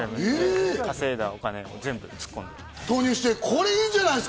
稼いだお金を全部突っ込んで。